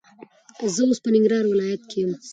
زه اوس په ننګرهار ولایت کې یم.